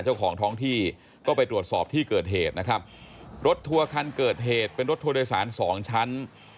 เจ้าของท้องที่ก็ไปตรวจสอบที่เกิดเหตุนะครับรถทัวร์คันเกิดเหตุเป็นรถทัวร์โดยสารสองชั้น